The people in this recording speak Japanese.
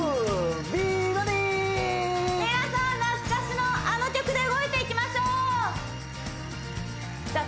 美バディ皆さん懐かしのあの曲で動いていきましょうじゃ